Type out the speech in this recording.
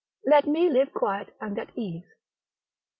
let me live quiet and at ease.